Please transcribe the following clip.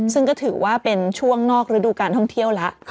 ซึ่งก็ถือว่าเป็นช่วงนอกระดูกการท่องเที่ยวแล้ว